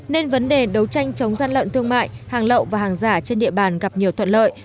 nên vấn đề đấu tranh chống gian lận thương mại hàng lậu và hàng giả trên địa bàn gặp nhiều thuận lợi